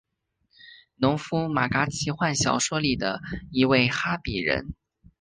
农夫马嘎奇幻小说里的一位哈比人。